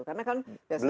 karena kan biasanya kalau